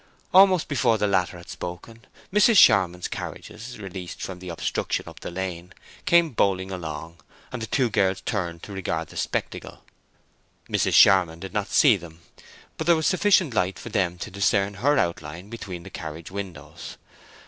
Almost before the latter had spoken, Mrs. Charmond's carriages, released from the obstruction up the lane, came bowling along, and the two girls turned to regard the spectacle. Mrs. Charmond did not see them, but there was sufficient light for them to discern her outline between the carriage windows.